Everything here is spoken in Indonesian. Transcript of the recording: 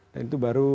dan itu baru